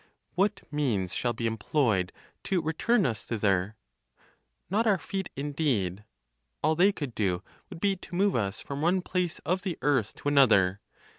What means shall be employed to return us thither? Not our feet, indeed; all they could do would be to move us from one place of the earth to another.